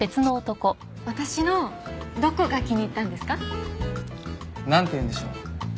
私のどこが気に入ったんですか？なんていうんでしょう。